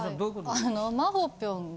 あのまほぴょんが。